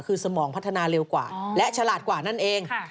คือสมองพัฒนาเร็วกว่าและฉลาดกว่านั่นเอง